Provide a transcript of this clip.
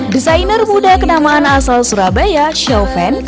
desainer muda kenamaan asal surabaya chauvin